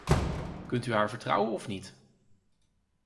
Kunt u haar vertrouwen of niet?